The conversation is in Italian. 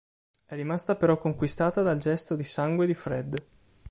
È rimasta però conquistata dal gesto di sangue di Fred.